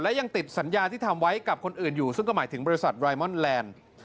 และยังติดสัญญาที่ทำไว้กับคนอื่นอยู่ซึ่งก็หมายถึงบริษัทไรมอนแลนด์